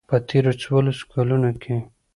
په تېرو څوارلسو کلونو کې.